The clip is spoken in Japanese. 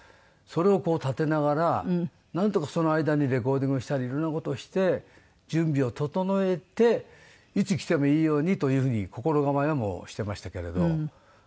それを立てながらなんとかその間にレコーディングしたり色んな事をして準備を整えていつ来てもいいようにというふうに心構えはしてましたけれど。